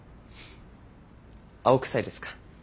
青臭いですか。